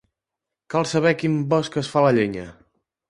Cal saber a quin bosc es fa la llenya.